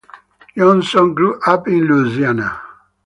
Johnson grew up in Louisiana.